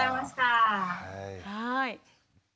はい。